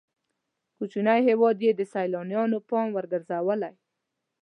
کوچنی هېواد یې د سیلانیانو پام وړ ګرځولی.